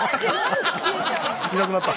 いなくなった。